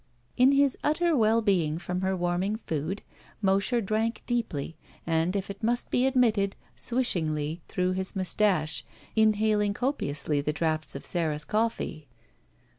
In his utter well being from her warming food, Mosher drank deeply and, if it mtist be admitted, swishingly, through his mtistache, inhaling copi ously the draughts of Sara's coflEee.